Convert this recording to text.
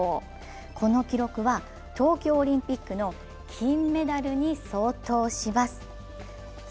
この記録は東京オリンピックの金メダルに相当します。